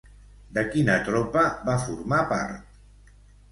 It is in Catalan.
De quina tropa va formar part?